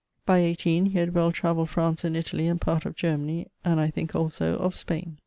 By 18 he had well travelled France and Italie, and part of Germany, and (I thinke also) of Spaine.